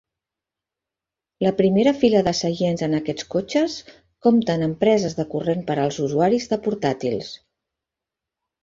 La primera fila de seients en aquests cotxes compten amb preses de corrent per als usuaris de portàtils.